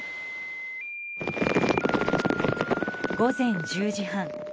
午前１０時半。